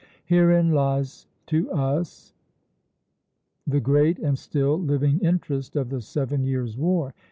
Herein lies to us the great and still living interest of the Seven Years' War.